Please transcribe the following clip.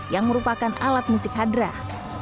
yang merupakan alat musik hadrah